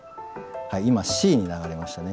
今Ｃに流れましたね。